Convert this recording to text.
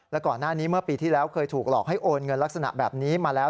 และก่อนหน้านี้เมื่อปีที่แล้วเคยถูกหลอกให้โอนเงินลักษณะแบบนี้มาแล้ว